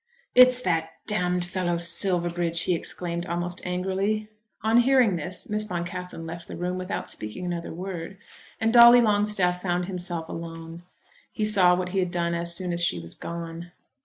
"It's that d fellow, Silverbridge," he exclaimed almost angrily. On hearing this Miss Boncassen left the room without speaking another word, and Dolly Longstaff found himself alone. He saw what he had done as soon as she was gone.